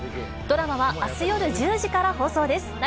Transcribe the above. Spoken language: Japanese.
ドラマはあす夜１０時から放送です。